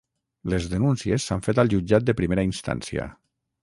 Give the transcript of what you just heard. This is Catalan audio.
Les denúncies s'han fet al jutjat de primera instància